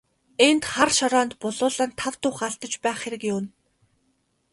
Энд хар шороонд булуулан тав тух алдаж байх хэрэг юун.